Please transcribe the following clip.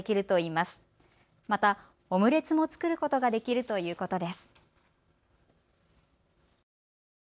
またオムレツも作ることができるということです。